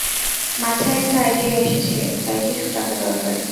মাথায় একটা আইডিয়া এসেছে, তাই কিছু টাকা দরকার।